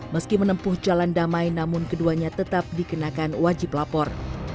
meski menempuh jalan damai namun keduanya tetap dikenakan wajib lapor